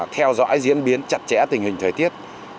theo dõi diễn biến chặt chẽ tình hình thời tiết